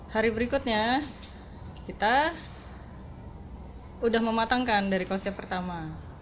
hari berikutnya kita sudah mematangkan dari konsep pertama